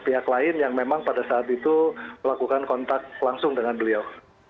pihak lain yang memang pada saat itu melakukan kontak langsung dengan beliau